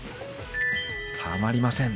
たまりません。